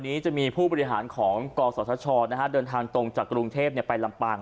เอาทางตรงจากกรุงเทพไปลำปาก